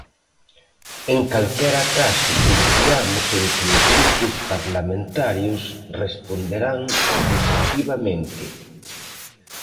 En calquera caso confiamos en que os grupos parlamentarios responderán positivamente.